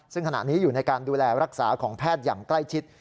ซึ่งขณะนี้อยู่ในการดูแลรักษาของแพทย์อย่างใกล้ชิด